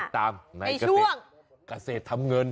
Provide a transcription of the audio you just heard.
ตามในเกษตรทำเงิน